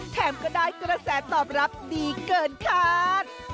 แถมก็ได้กระแสตอบรับดีเกินคาด